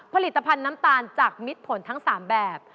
ผลิตภัณฑ์น้ำตาลจากมิดผลทั้ง๓แบบ